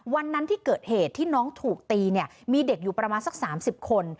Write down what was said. วันนั้นที่เกิดเหตุที่น้องถูกตีเนี่ยมีเด็กอยู่ประมาณสัก๓๐คน